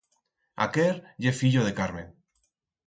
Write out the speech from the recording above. Aquer ye fillo de Carmen.